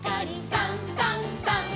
「さんさんさん」